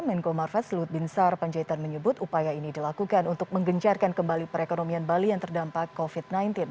menko marves lut bin sar panjaitan menyebut upaya ini dilakukan untuk menggencarkan kembali perekonomian bali yang terdampak covid sembilan belas